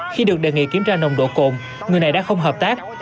khi được đề nghị kiểm tra nồng độ cồn người này đã không hợp tác